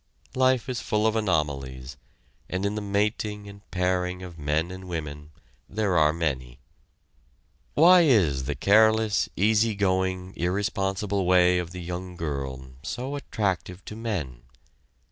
Life is full of anomalies, and in the mating and pairing of men and women there are many. Why is the careless, easy going, irresponsible way of the young girl so attractive to men?